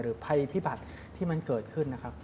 ภัยพิบัติที่มันเกิดขึ้นนะครับ